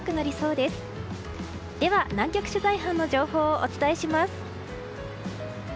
では、南極取材班の情報をお伝えします。